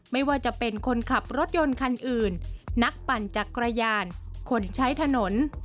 ไม่ว่าจะเป็นคนขับรถยนต์คันอื่นนักปั่นจักรยานคนใช้ถนน